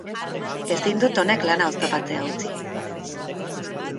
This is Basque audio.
Ezin dut honek lana oztopatzea utzi.